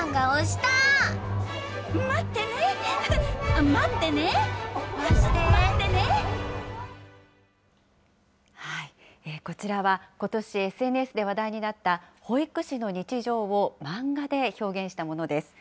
待ってね、待ってね、こちらはことし、ＳＮＳで話題になった、保育士の日常を漫画で表現したものです。